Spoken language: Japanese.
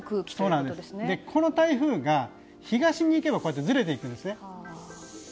この台風が東に行けばずれていくんですね。